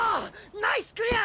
ナイスクリア！